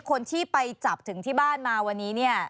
คนที่ไปจับถึงที่บ้านมาวันนี้เนี่ย